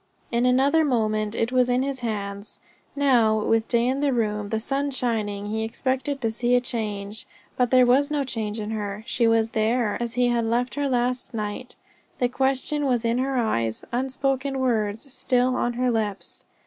In another moment it was in his hands. Now, with day in the room, the sun shining, he expected to see a change. But there was no change in her; she was there, as he had left her last night; the question was in her eyes, unspoken words still on her lips.